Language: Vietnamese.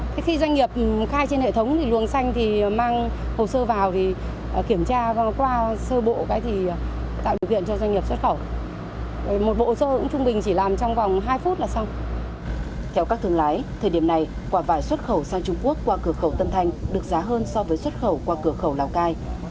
theo các thương lái thời điểm này quả vải xuất khẩu sang trung quốc qua cửa khẩu tân thanh được giá hơn so với xuất khẩu qua cửa khẩu lào cai